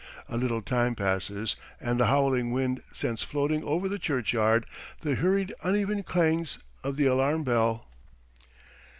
A little time passes and the howling wind sends floating over the churchyard the hurried uneven clangs of the alarm bell.